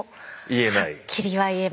言えない。